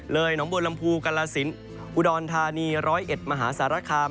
เลยหนองบวนลำภูกรราศิลป์อุดรธานีร้อยเอ็ดมหาสารคาม